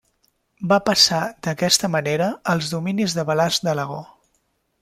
Va passar d'aquesta manera als dominis de Balasc d'Alagó.